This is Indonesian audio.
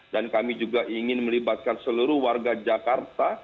dan kami juga ingin melibatkan seluruh warga jakarta